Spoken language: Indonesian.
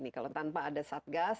kalau tanpa ada satgas